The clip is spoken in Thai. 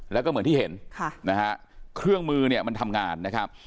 แล้วก็เหมือนที่เห็นค่ะนะฮะเครื่องมือเนี่ยมันทำงานนะครับ